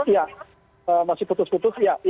ya masih putus putus